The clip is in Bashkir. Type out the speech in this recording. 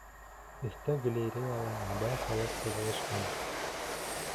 Өҫтә галереяла ябай халыҡ тығылышҡан.